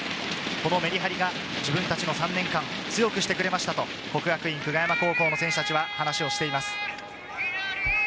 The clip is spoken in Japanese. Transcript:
このメリハリが自分たちの３年間を強くしてくれましたと國學院久我山高校の選手たちは話しをしています。